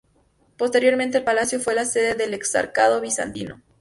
Posteriormente el palacio fue la sede del exarcado bizantino.